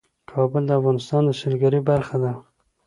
کابل د افغانستان د سیلګرۍ برخه ده.